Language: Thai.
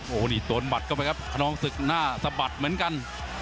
โอ้โหนี่โดนหมัดเข้าไปครับขนองศึกหน้าสะบัดเหมือนกัน